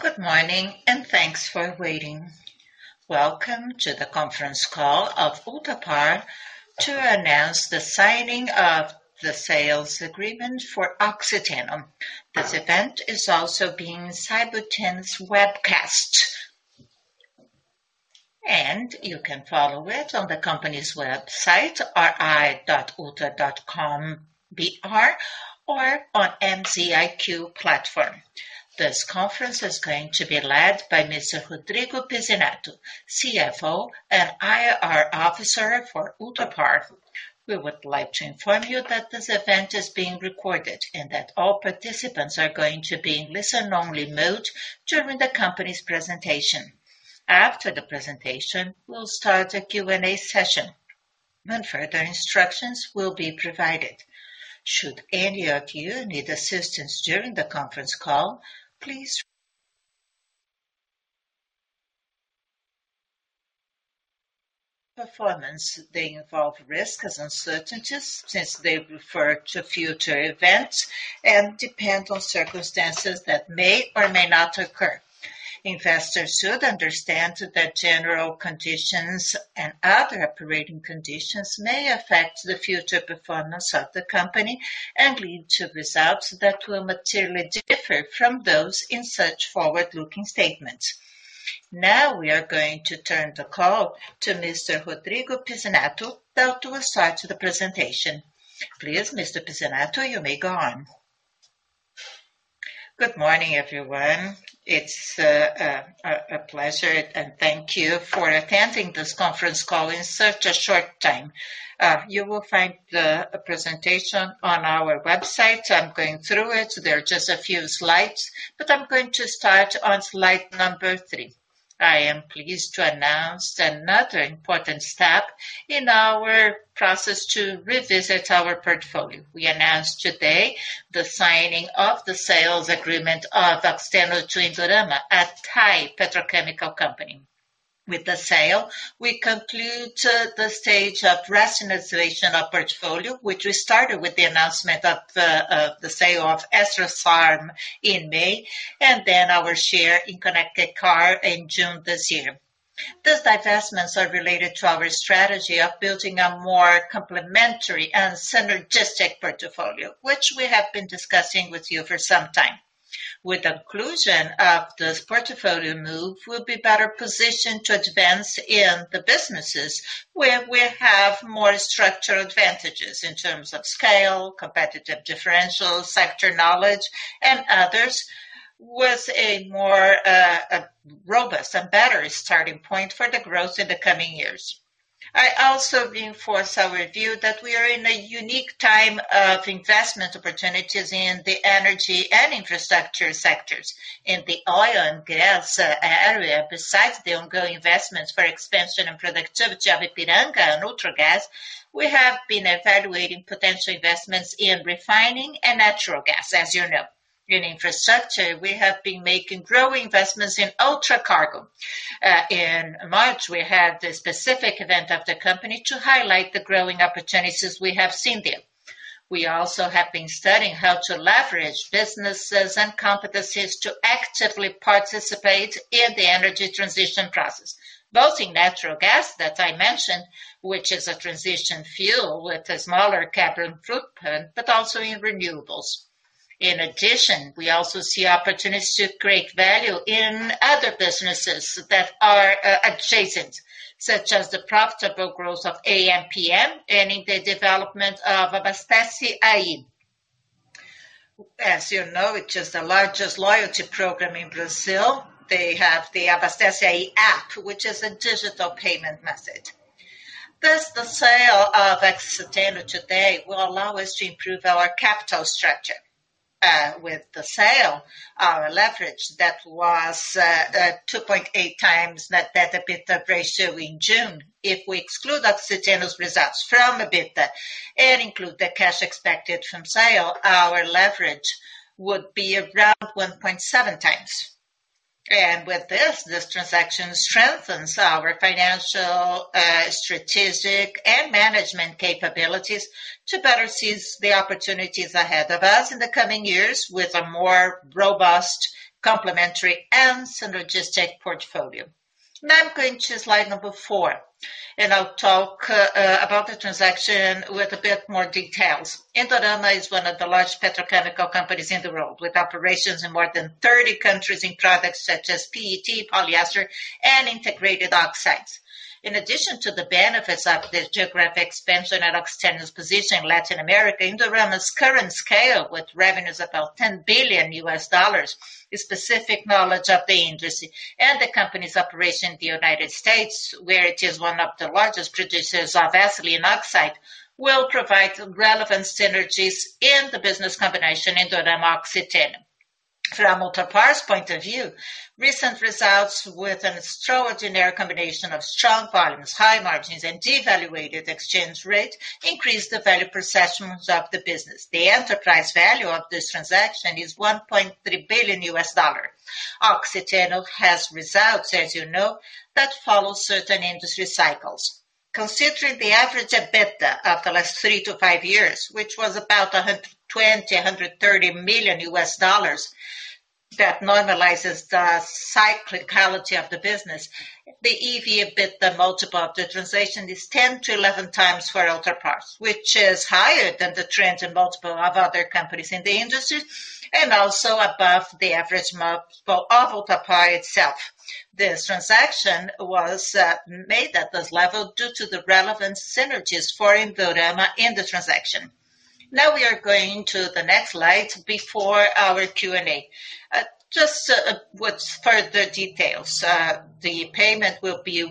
Good morning, and thanks for waiting. Welcome to the conference call of Ultrapar to announce the signing of the sales agreement for Oxiteno. This event is also being simultaneously webcast. You can follow it on the company's website, ri.ultra.com.br or on MZIQ platform. This conference is going to be led by Mr. Rodrigo Pizzinatto, CFO and IR Officer for Ultrapar. We would like to inform you that this event is being recorded and that all participants are going to be in listen-only mode during the company's presentation. After the presentation, we'll start a Q&A session. Further instructions will be provided. Performance, they involve risks and uncertainties since they refer to future events and depend on circumstances that may or may not occur. Investors should understand that general conditions and other operating conditions may affect the future performance of the company and lead to results that will materially differ from those in such forward-looking statements. We are going to turn the call to Mr. Rodrigo Pizzinatto to start the presentation. Please, Mr. Pizzinatto, you may go on. Good morning, everyone. It's a pleasure, thank you for attending this conference call in such a short time. You will find the presentation on our website. I'm going through it. There are just a few slides, I'm going to start on slide number 3. I am pleased to announce another important step in our process to revisit our portfolio. We announced today the signing of the sales agreement of Oxiteno to Indorama, a Thai petrochemical company. With the sale, we conclude the stage of rationalization of portfolio, which we started with the announcement of the sale of Extrafarma in May, and then our share in ConectCar in June this year. These divestments are related to our strategy of building a more complementary and synergistic portfolio, which we have been discussing with you for some time. With the conclusion of this portfolio move, we'll be better positioned to advance in the businesses where we have more structural advantages in terms of scale, competitive differential, sector knowledge, and others with a more robust and better starting point for the growth in the coming years. I also reinforce our view that we are in a one unique time of investment opportunities in the energy and infrastructure sectors. In the oil and gas area, besides the ongoing investments for expansion and productivity of Ipiranga and Ultragaz, we have been evaluating potential investments in refining and natural gas, as you know. In infrastructure, we have been making growing investments in Ultracargo. In March, we had the specific event of the company to highlight the growing opportunities we have seen there. We also have been studying how to leverage businesses and competencies to actively participate in the energy transition process, both in natural gas that I mentioned, which is a transition fuel with a smaller carbon footprint, but also in renewables. In addition, we also see opportunities to create value in other businesses that are adjacent, such as the profitable growth of AmPm and in the development of Abastece Aí. As you know, which is the largest loyalty program in Brazil. They have the Abastece Aí app, which is a digital payment method. Thus, the sale of Oxiteno today will allow us to improve our capital structure. With the sale, our leverage that was 2.8 times net debt to EBITDA ratio in June. If we exclude Oxiteno's results from the EBITDA and include the cash expected from sale, our leverage would be around 1.7 times. With this transaction strengthens our financial, strategic, and management capabilities to better seize the opportunities ahead of us in the coming years with a more robust, complementary, and synergistic portfolio. Now I'm going to slide number four. I'll talk about the transaction with a bit more details. Indorama is one of the largest petrochemical companies in the world, with operations in more than 30 countries in products such as PET, polyester, and integrated oxides. In addition to the benefits of the geographic expansion and Oxiteno's position in Latin America, Indorama's current scale with revenues about $10 billion, specific knowledge of the industry and the company's operation in the United States, where it is one of the largest producers of ethylene oxide, will provide relevant synergies in the business combination Indorama Oxiteno. From Ultrapar's point of view, recent results with an extraordinary combination of strong volumes, high margins, and devaluated exchange rate increased the value perceptions of the business. The enterprise value of this transaction is $1.3 billion. Oxiteno has results, as you know, that follow certain industry cycles. Considering the average EBITDA of the last three to five years, which was about $120 million-$130 million, that normalizes the cyclicality of the business. The EV/EBITDA multiple of the transaction is 10x-11x for Ultrapar, which is higher than the trends and multiple of other companies in the industry, and also above the average multiple of Ultrapar itself. This transaction was made at this level due to the relevant synergies for Indorama in the transaction. We are going to the next slide before our Q&A. Just with further details. The payment will be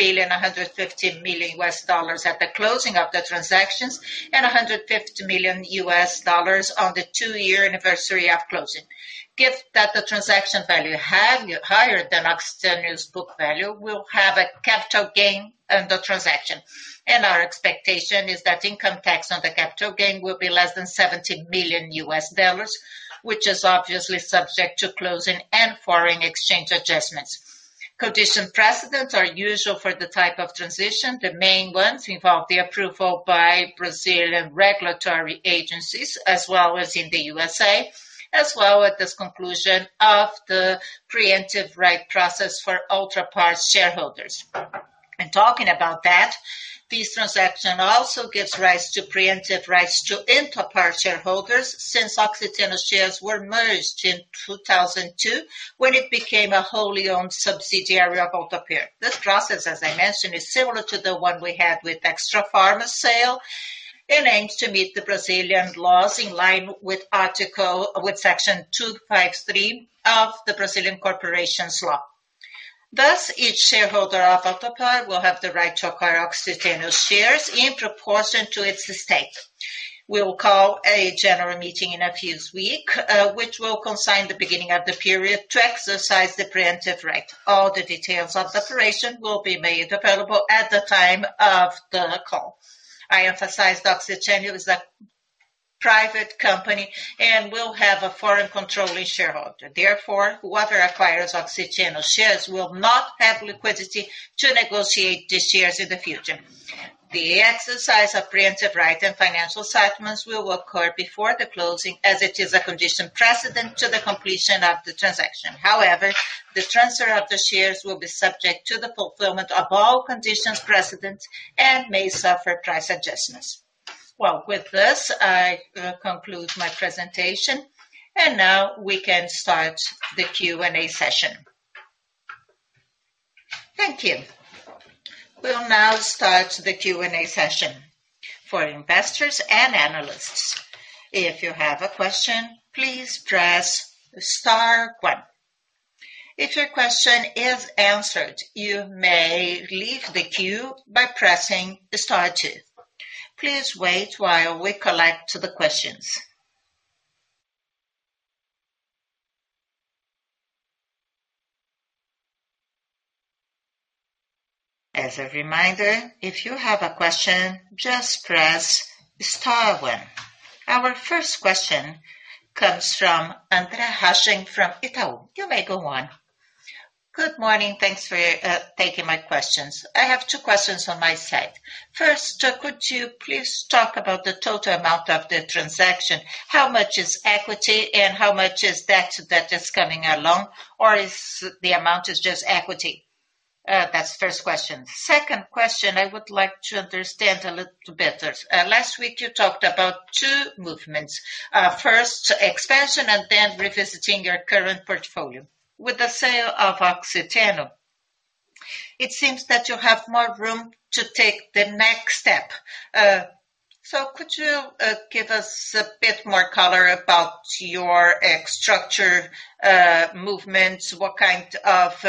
$1.15 billion at the closing of the transactions and $150 million on the 2-year anniversary of closing. Given that the transaction value higher than Oxiteno's book value, we will have a capital gain on the transaction. Our expectation is that income tax on the capital gain will be less than $70 million, which is obviously subject to closing and foreign exchange adjustments. Condition precedents are usual for the type of transaction. The main ones involve the approval by Brazilian regulatory agencies as well as in the U.S.A., as well as the conclusion of the preemptive right process for Ultrapar shareholders. Talking about that, this transaction also gives rise to preemptive rights to Ultrapar shareholders since Oxiteno shares were merged in 2002 when it became a wholly owned subsidiary of Ultrapar. This process, as I mentioned, is similar to the one we had with Extrafarma's sale and aims to meet the Brazilian laws in line with Section 253 of the Brazilian Corporations Law. Thus, each shareholder of Ultrapar will have the right to acquire Oxiteno shares in proportion to its stake. We will call a general meeting in a few weeks, which will consign the beginning of the period to exercise the preemptive right. All the details of the operation will be made available at the time of the call. I emphasize that Oxiteno is a private company and will have a foreign controlling shareholder. Whoever acquires Oxiteno shares will not have liquidity to negotiate these shares in the future. The exercise of preemptive right and financial settlements will occur before the closing as it is a condition precedent to the completion of the transaction. The transfer of the shares will be subject to the fulfillment of all conditions precedents and may suffer price adjustments. Well, with this, I conclude my presentation, and now we can start the Q&A session. Thank you. We'll now start the Q&A session for investors and analysts. If you have a question, please press star one. If your question is answered, you may leave the queue by pressing star two. As a reminder, if you have a question, just press star one. Our first question comes from André Hachem from Itaú. You may go on. Good morning. Thanks for taking my questions. I have two questions on my side. First, could you please talk about the total amount of the transaction. How much is equity and how much is debt that is coming along, or is the amount is just equity? That's the first question. Second question, I would like to understand a little better. Last week, you talked about two movements. First, expansion, and then revisiting your current portfolio. With the sale of Oxiteno, it seems that you have more room to take the next step. Could you give us a bit more color about your structure movements, what kind of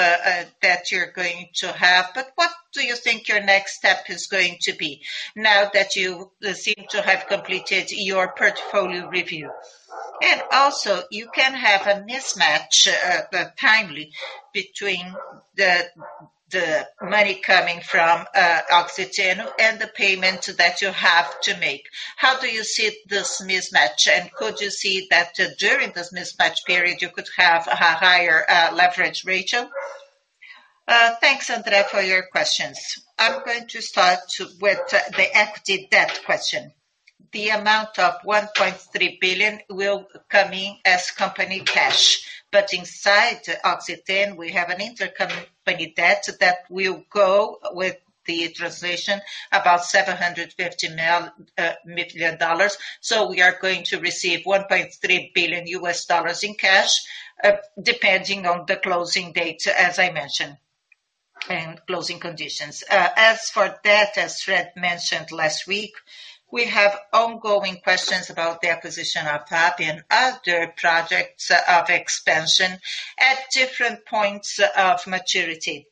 debt you're going to have? What do you think your next step is going to be now that you seem to have completed your portfolio review? You can have a mismatch timely between the money coming from Oxiteno and the payment that you have to make. How do you see this mismatch, and could you see that during this mismatch period, you could have a higher leverage ratio? Thanks, André, for your questions. I am going to start with the equity debt question. The amount of $1.3 billion will come in as company cash. Inside Oxiteno, we have an intercompany debt that will go with the transition, about $750 million. We are going to receive $1.3 billion U.S. in cash, depending on the closing date, as I mentioned, and closing conditions. As for debt, as Fred mentioned last week, we have ongoing questions about the acquisition of Refap and other projects of expansion at different points of maturity.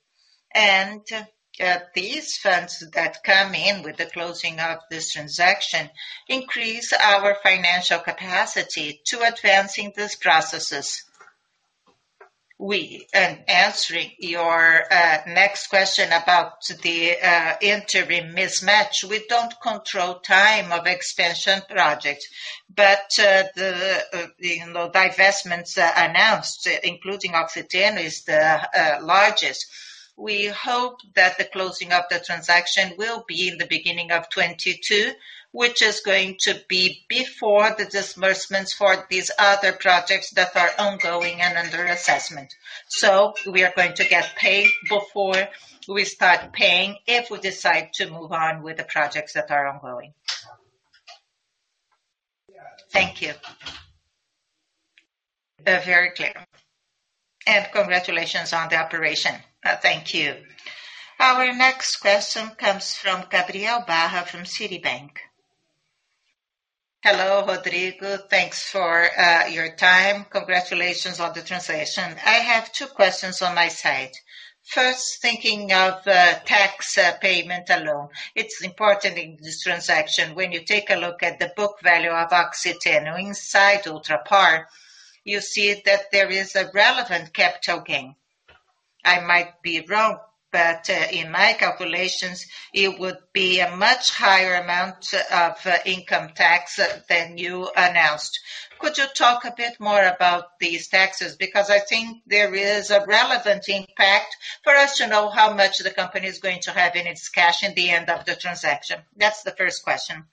These funds that come in with the closing of this transaction increase our financial capacity to advancing in these processes. Answering your next question about the interim mismatch. We don't control time of expansion project, but the divestments announced, including Oxiteno, is the largest. We hope that the closing of the transaction will be in the beginning of 2022, which is going to be before the disbursements for these other projects that are ongoing and under assessment. We are going to get paid before we start paying, if we decide to move on with the projects that are ongoing. Thank you. Very clear. Congratulations on the operation. Thank you. Our next question comes from Gabriel Barra from Citibank. Hello, Rodrigo. Thanks for your time. Congratulations on the transaction. I have two questions on my side. Thinking of tax payment alone, it's important in this transaction, when you take a look at the book value of Oxiteno inside Ultrapar, you see that there is a relevant capital gain. I might be wrong, but in my calculations, it would be a much higher amount of income tax than you announced. Could you talk a bit more about these taxes? I think there is a relevant impact for us to know how much the company is going to have in its cash in the end of the transaction. That's the first question.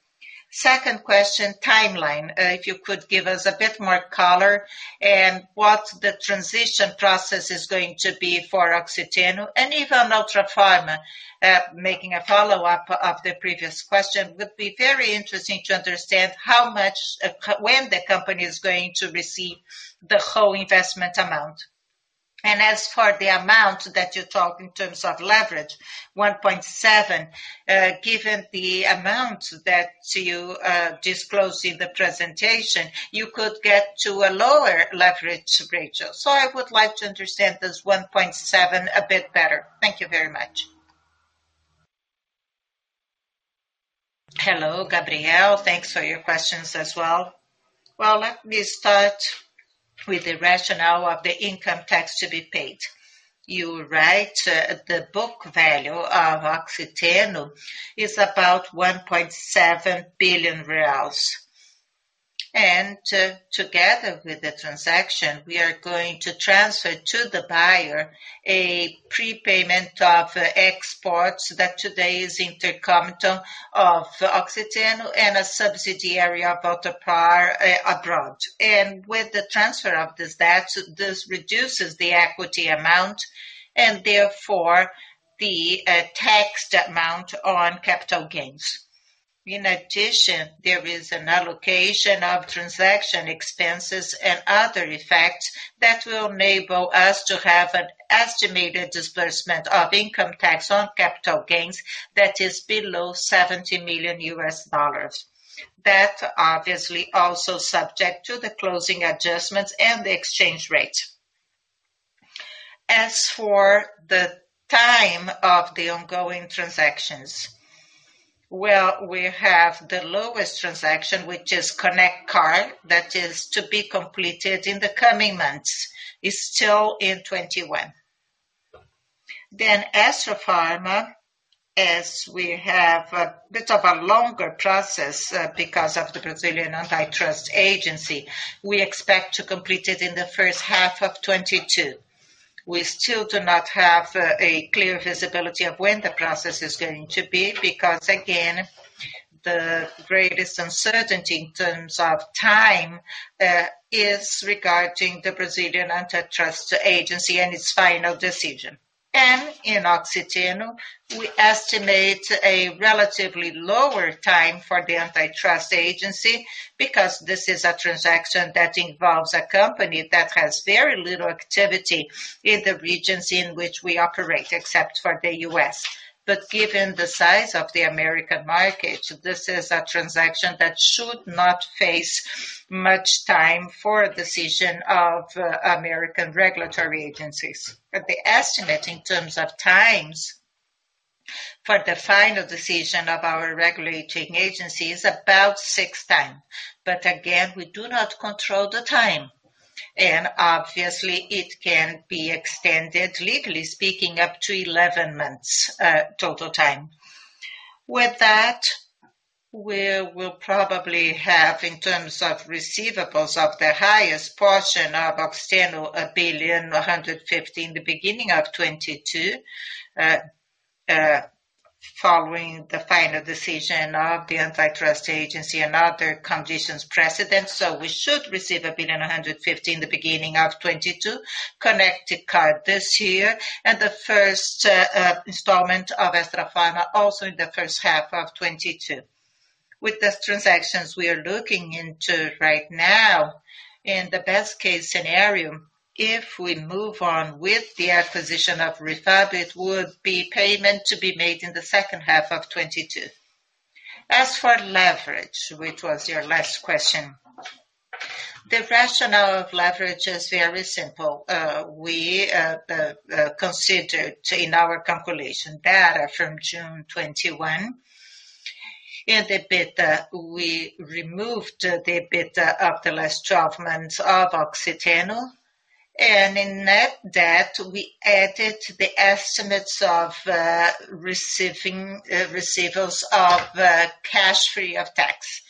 Timeline. If you could give us a bit more color in what the transition process is going to be for Oxiteno and even Ultrapar. Making a follow-up of the previous question, would be very interesting to understand when the company is going to receive the whole investment amount. As for the amount that you talk in terms of leverage, 1.7, given the amount that you disclosed in the presentation, you could get to a lower leverage ratio. I would like to understand this 1.7 a bit better. Thank you very much. Hello, Gabriel. Thanks for your questions as well. Well, let me start with the rationale of the income tax to be paid. You're right, the book value of Oxiteno is about BRL 1.7 billion. Together with the transaction, we are going to transfer to the buyer a prepayment of exports that today is intercompany of Oxiteno and a subsidiary of Ultrapar abroad. With the transfer of this debt, this reduces the equity amount and therefore the tax amount on capital gains. In addition, there is an allocation of transaction expenses and other effects that will enable us to have an estimated disbursement of income tax on capital gains that is below $70 million. That is obviously also subject to the closing adjustments and the exchange rate. As for the time of the ongoing transactions. Well, we have the lowest transaction, which is ConectCar, that is to be completed in the coming months. It is still in 2021. Extrafarma, as we have a bit of a longer process because of the Brazilian Antitrust Agency, we expect to complete it in the first half of 2022. We still do not have a clear visibility of when the process is going to be because again, the greatest uncertainty in terms of time is regarding the Brazilian Antitrust Agency and its final decision. In Oxiteno, we estimate a relatively lower time for the Antitrust Agency because this is a transaction that involves a company that has very little activity in the regions in which we operate, except for the U.S. Given the size of the American market, this is a transaction that should not face much time for decision of American regulatory agencies. The estimate in terms of times for the final decision of our regulating agency is about six months. Again, we do not control the time, and obviously it can be extended, legally speaking, up to 11 months total time. With that, we will probably have, in terms of receivables of the highest portion of Oxiteno, 1.15 billion in the beginning of 2022, following the final decision of the Antitrust Agency and other conditions precedents. We should receive 1.15 billion in the beginning of 2022, ConectCar this year, and the first installment of Extrafarma also in the first half of 2022. With these transactions we are looking into right now, in the best case scenario, if we move on with the acquisition of Refap, it would be payment to be made in the second half of 2022. As for leverage, which was your last question. The rationale of leverage is very simple. We considered in our calculation data from June 2021. We removed the EBITDA of the last 12 months of Oxiteno. In net debt, we added the estimates of receivables of cash free of tax.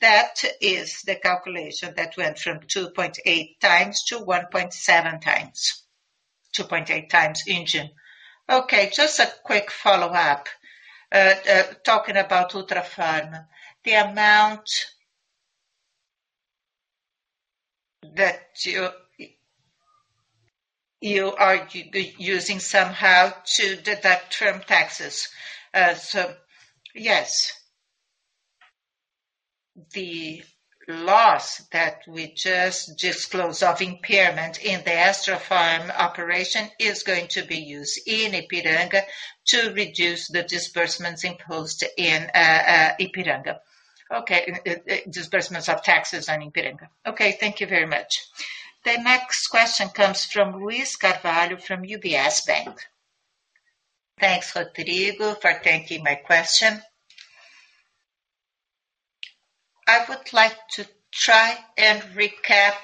That is the calculation that went from 2.8x to 1.7x. 2.8x in June. Okay, just a quick follow-up. Talking about Extrafarma, the amount that you are using somehow to deduct from taxes. Yes, the loss that we just disclosed of impairment in the Extrafarma operation is going to be used in Ipiranga to reduce the disbursements imposed in Ipiranga. Okay. Disbursement of taxes on Ipiranga. Okay, thank you very much. The next question comes from Luiz Carvalho from UBS. Thanks, Rodrigo, for taking my question. I would like to try and recap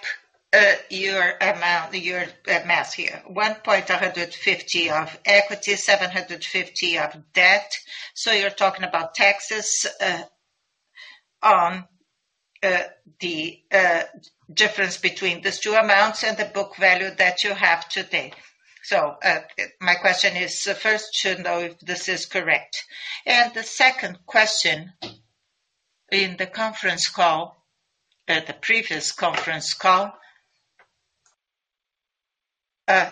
your math here. 1,150 of equity, 750 of debt. You're talking about taxes on the difference between these two amounts and the book value that you have today. My question is, first to know if this is correct. The second question, in the previous conference call,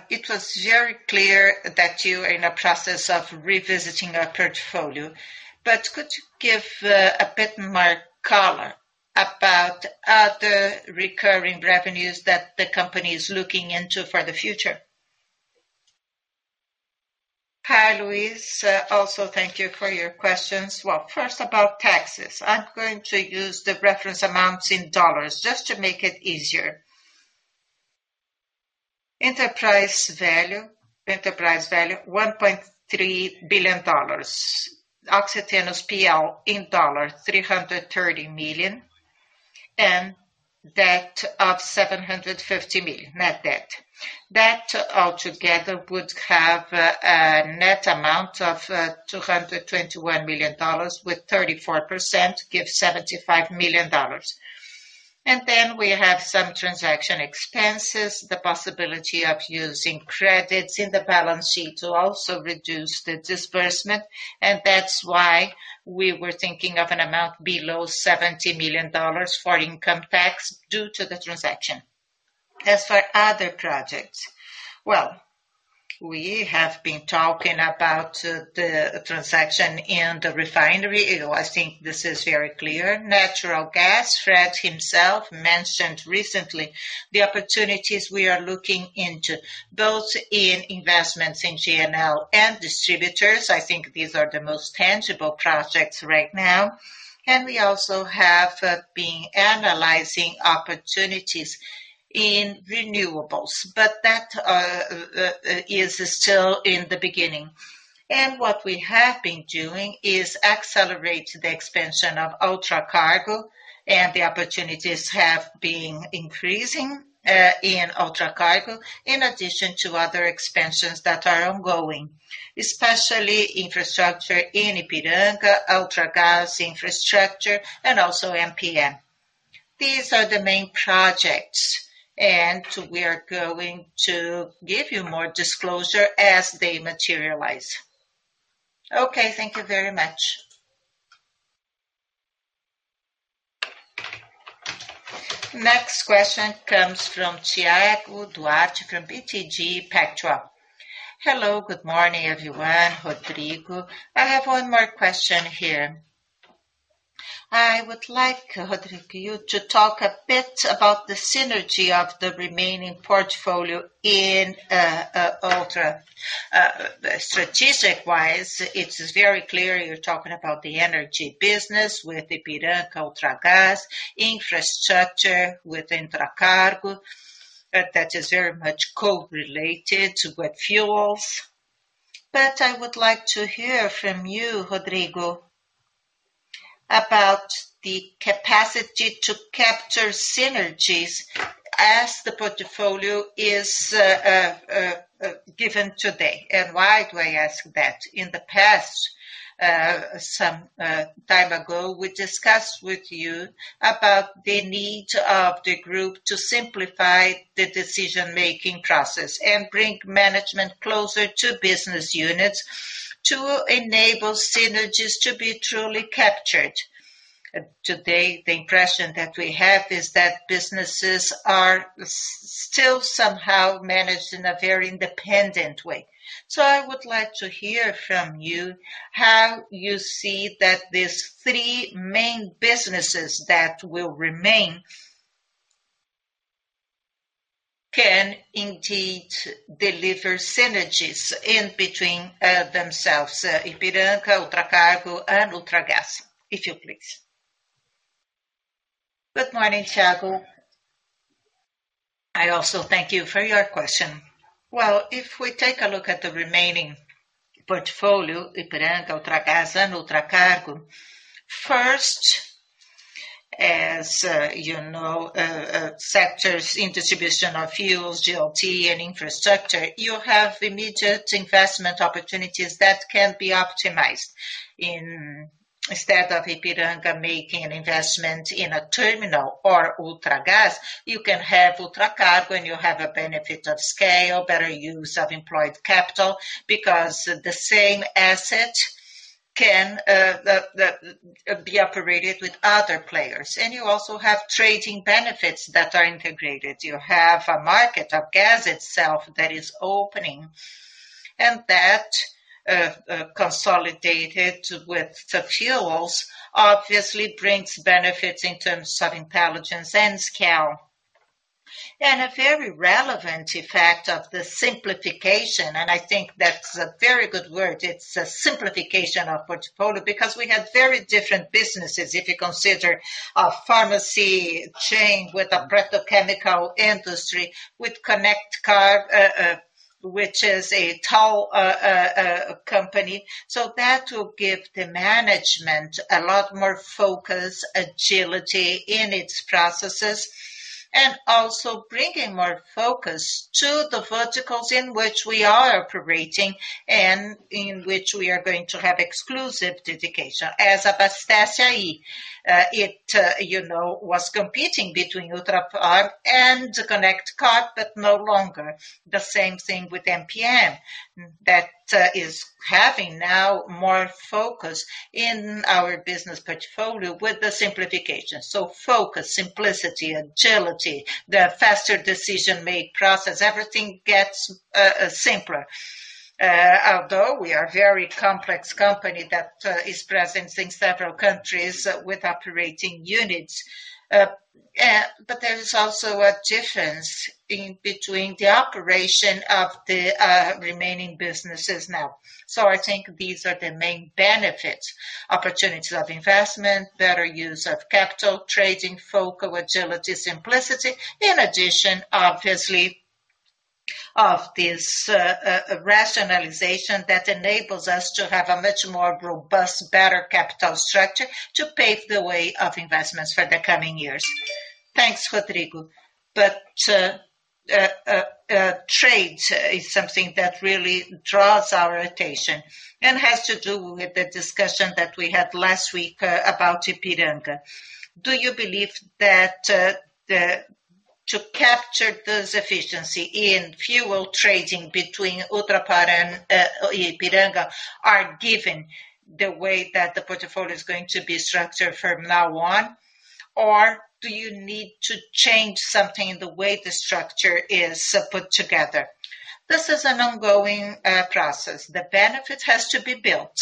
it was very clear that you are in a process of revisiting a portfolio. Could you give a bit more color about other recurring revenues that the company is looking into for the future? Hi, Luiz. Also thank you for your questions. First about taxes. I'm going to use the reference amounts in dollars just to make it easier. Enterprise value $1.3 billion. Oxiteno's PL in dollars, $330 million, and debt of $750 million, net debt. All together would have a net amount of $221 million with 34%, gives $75 million. We have some transaction expenses, the possibility of using credits in the balance sheet to also reduce the disbursement, and that's why we were thinking of an amount below $70 million for income tax due to the transaction. As for other projects, we have been talking about the transaction in the refinery. I think this is very clear. Natural gas, Fred himself mentioned recently the opportunities we are looking into, both in investments in GNL and distributors. I think these are the most tangible projects right now. We also have been analyzing opportunities in renewables. That is still in the beginning. What we have been doing is accelerate the expansion of Ultracargo, and the opportunities have been increasing in Ultracargo in addition to other expansions that are ongoing, especially infrastructure in Ipiranga, Ultragaz infrastructure, and also AmPm. These are the main projects. We are going to give you more disclosure as they materialize. Okay, thank you very much. Next question comes from Thiago Duarte from BTG Pactual. Hello, good morning, everyone, Rodrigo. I have one more question here. I would like, Rodrigo, you to talk a bit about the synergy of the remaining portfolio in Ultrapar. Strategic-wise, it's very clear you're talking about the energy business with Ipiranga, Ultragaz, infrastructure with Ultracargo. That is very much co-related with fuels. I would like to hear from you, Rodrigo, about the capacity to capture synergies as the portfolio is given today. Why do I ask that? In the past, some time ago, we discussed with you about the need of the group to simplify the decision-making process and bring management closer to business units to enable synergies to be truly captured. Today, the impression that we have is that businesses are still somehow managed in a very independent way. I would like to hear from you how you see that these three main businesses that will remain can indeed deliver synergies in between themselves, Ipiranga, Ultracargo, and Ultragaz. If you please. Good morning, Thiago. I also thank you for your question. Well, if we take a look at the remaining portfolio, Ipiranga, Ultragaz and Ultracargo. First, as you know, sectors in distribution of fuels, GLP and infrastructure, you have immediate investment opportunities that can be optimized. Instead of Ipiranga making an investment in a terminal or Ultragaz, you can have Ultracargo, you have a benefit of scale, better use of employed capital because the same asset can be operated with other players. You also have trading benefits that are integrated. You have a market of gas itself that is opening and that, consolidated with the fuels, obviously brings benefits in terms of intelligence and scale. A very relevant effect of the simplification, and I think that's a very good word. It's a simplification of portfolio because we had very different businesses. If you consider a pharmacy chain with a petrochemical industry, with ConectCar, which is a toll company. That will give the management a lot more focus, agility in its processes, and also bringing more focus to the verticals in which we are operating and in which we are going to have exclusive dedication. As Abastece Aí, it was competing between Ultrapar and ConectCar, but no longer. The same thing with AmPm. That is having now more focus in our business portfolio with the simplification. Focus, simplicity, agility, the faster decision-made process, everything gets simpler. Although we are very complex company that is present in several countries with operating units. There is also a difference in between the operation of the remaining businesses now. I think these are the main benefits, opportunities of investment, better use of capital, trading, focus, agility, simplicity. In addition, obviously, of this rationalization that enables us to have a much more robust, better capital structure to pave the way of investments for the coming years. Thanks, Rodrigo. Trade is something that really draws our attention and has to do with the discussion that we had last week about Ipiranga. Do you believe that to capture this efficiency in fuel trading between Ultrapar and Ipiranga are given the way that the portfolio is going to be structured from now on? Do you need to change something in the way the structure is put together? This is an ongoing process. The benefit has to be built,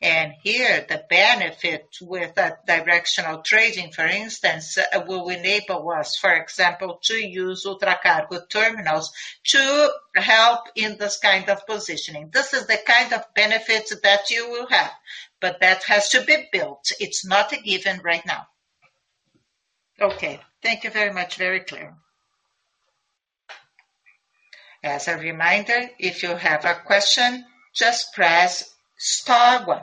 here the benefit with that directional trading, for instance, will enable us, for example, to use Ultracargo terminals to help in this kind of positioning. This is the kind of benefits that you will have, but that has to be built. It's not a given right now. Okay. Thank you very much. Very clear. As a reminder, if you have a question, just press star one.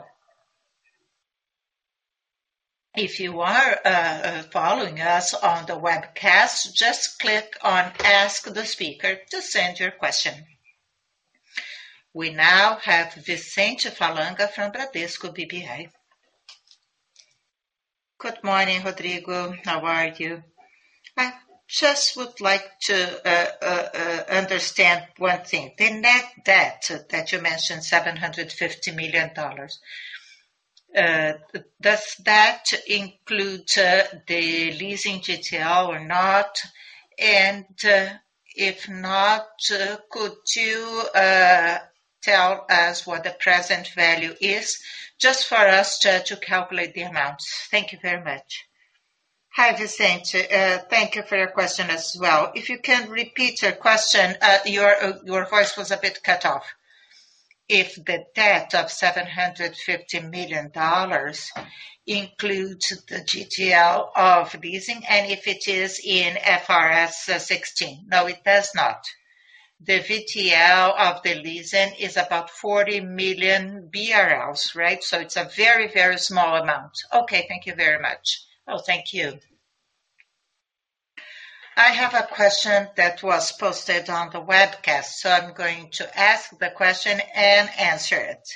If you are following us on the webcast, just click on "Ask the speaker" to send your question. We now have Vicente Falanga from Bradesco BBI. Good morning, Rodrigo. How are you? I just would like to understand one thing. The net debt that you mentioned, BRL 750 million. Does that include the leasing GTL or not? If not, could you tell us what the present value is just for us to calculate the amounts? Thank you very much. Hi, Vicente. Thank you for your question as well. If you can repeat your question, your voice was a bit cut off. If the debt of BRL 750 million includes the GTL of leasing and if it is in IFRS 16? No, it does not. The GTL of the leasing is about 40 million BRL, right? It's a very, very small amount. Okay. Thank you very much. No, thank you. I have a question that was posted on the webcast, so I'm going to ask the question and answer it.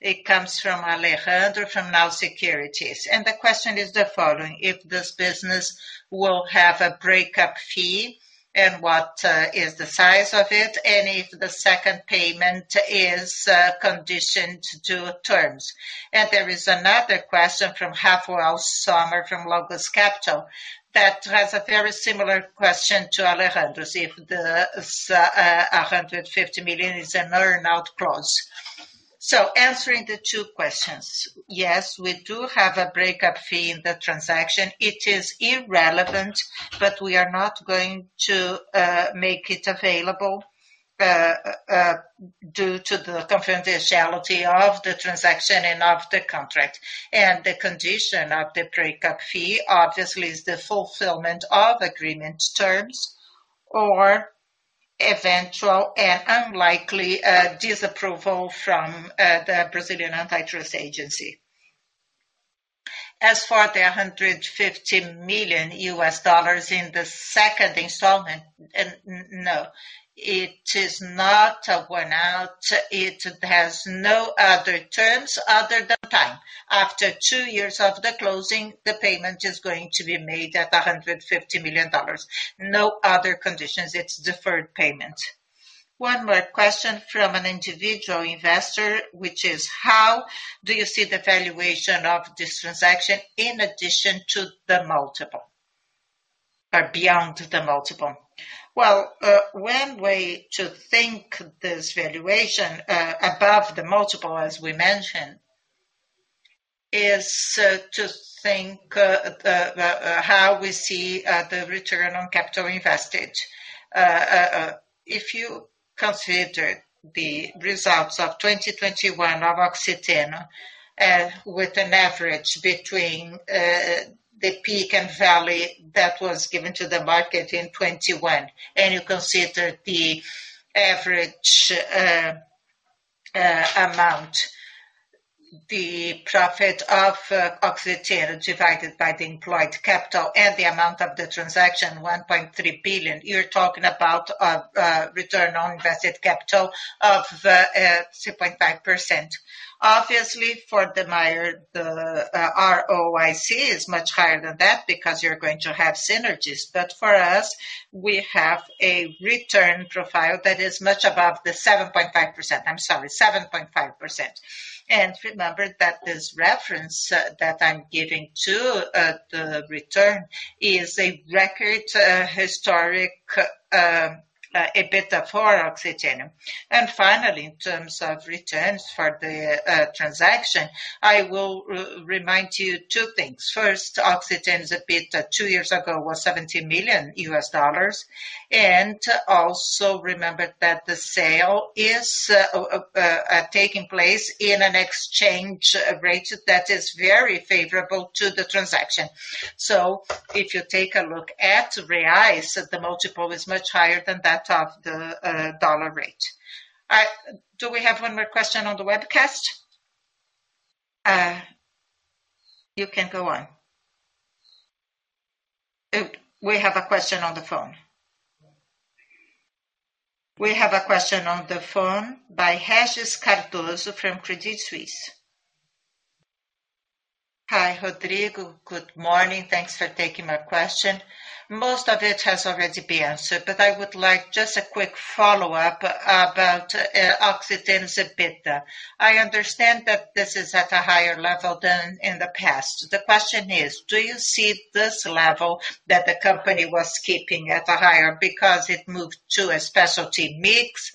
It comes from Alejandro from Nau Securities, and the question is the following: If this business will have a breakup fee and what is the size of it, and if the second payment is conditioned to terms. There is another question from Rafael Sommer from Logos Capital that has a very similar question to Alejandro's. If the 150 million is an earn-out clause? Answering the two questions. Yes, we do have a breakup fee in the transaction. It is irrelevant, but we are not going to make it available due to the confidentiality of the transaction and of the contract. The condition of the breakup fee, obviously, is the fulfillment of agreement terms or eventual and unlikely disapproval from the Brazilian antitrust agency. As for the BRL 150 million in the second installment, no, it is not a one-off. It has no other terms other than time. After two years of the closing, the payment is going to be made at BRL 150 million. No other conditions. It's deferred payment. One more question from an individual investor, which is, "How do you see the valuation of this transaction in addition to the multiple, or beyond the multiple?" Well, one way to think this valuation above the multiple, as we mentioned, is to think how we see the return on capital invested. If you consider the results of 2021 of Oxiteno, with an average between the peak and valley that was given to the market in 2021, and you consider the average amount, the profit of Oxiteno divided by the employed capital and the amount of the transaction, 1.3 billion, you're talking about a return on invested capital of 2.5%. Obviously, for the buyer, the ROIC is much higher than that because you're going to have synergies. We have a return profile that is much above the 7.5%. Remember that this reference that I'm giving to the return is a record historic EBITDA for Oxiteno. Finally, in terms of returns for the transaction, I will remind you two things. First, Oxiteno's EBITDA two years ago was BRL 70 million. Also remember that the sale is taking place in an exchange rate that is very favorable to the transaction. If you take a look at reais, the multiple is much higher than that of the dollar rate. Do we have one more question on the webcast? You can go on. We have a question on the phone. We have a question on the phone by Regis Cardoso from Credit Suisse. Hi, Rodrigo. Good morning. Thanks for taking my question. Most of it has already been answered, I would like just a quick follow-up about Oxiteno's EBITDA. I understand that this is at a higher level than in the past. The question is, do you see this level that the company was keeping at a higher because it moved to a specialty mix,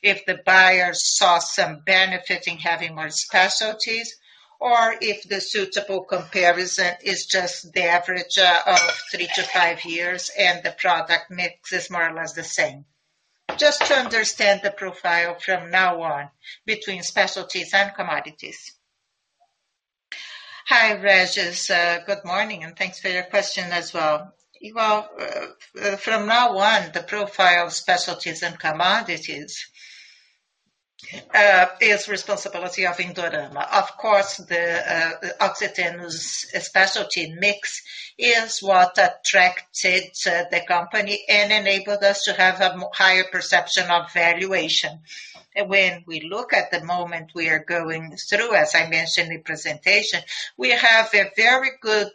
if the buyer saw some benefit in having more specialties, or if the suitable comparison is just the average of three to five years and the product mix is more or less the same? Just to understand the profile from now on between specialties and commodities. Hi, Regis. Good morning, and thanks for your question as well. Well, from now on, the profile specialties and commodities is responsibility of Indorama. Of course, Oxiteno's specialty mix is what attracted the company and enabled us to have a higher perception of valuation. When we look at the moment we are going through, as I mentioned in presentation, we have a very good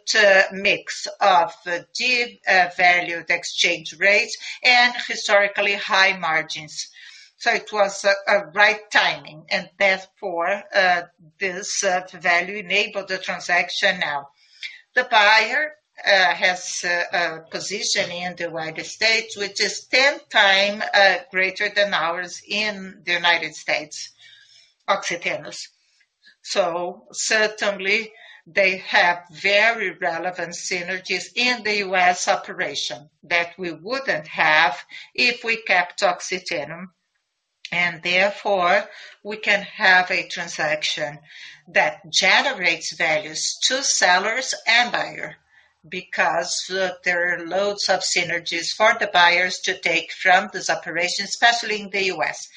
mix of deep valued exchange rates and historically high margins. It was a right timing and path for this value enabled the transaction now. The buyer has a position in the U.S., which is 10 times greater than ours in the U.S., Oxiteno's. Certainly they have very relevant synergies in the U.S. operation that we wouldn't have if we kept Oxiteno. Therefore, we can have a transaction that generates values to sellers and buyer because there are loads of synergies for the buyers to take from this operation, especially in the U.S.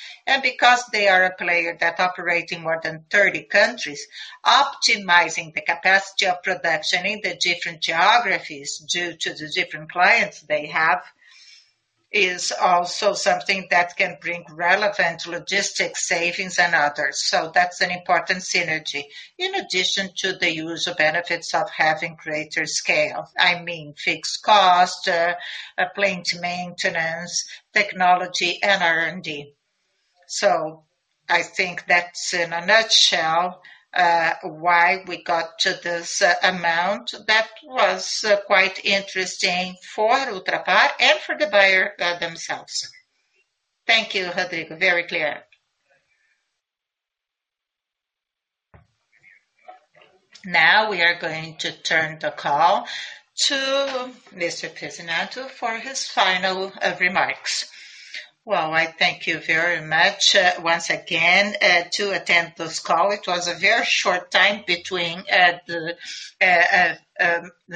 Because they are a player that operate in more than 30 countries, optimizing the capacity of production in the different geographies due to the different clients they have is also something that can bring relevant logistics savings and others. That's an important synergy. In addition to the usual benefits of having greater scale. I mean, fixed cost, plant maintenance, technology and R&D. I think that's in a nutshell why we got to this amount that was quite interesting for Ultrapar and for the buyer themselves. Thank you, Rodrigo. Very clear. Now we are going to turn the call to Mr. Pizzinatto for his final remarks. Well, I thank you very much once again to attend this call. It was a very short time between the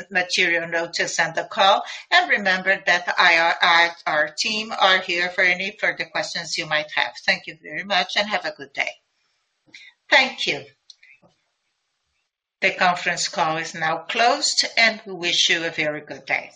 material notice and the call. Remember that our team are here for any further questions you might have. Thank you very much and have a good day. Thank you. The conference call is now closed, and we wish you a very good day.